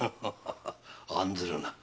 案ずるな。